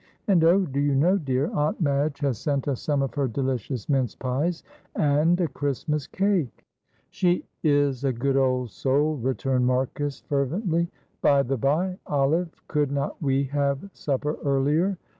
And oh! do you know, dear, Aunt Madge has sent us some of her delicious mince pies, and a Christmas cake!" "She is a good old soul," returned Marcus, fervently. "By the bye, Olive, could not we have supper earlier?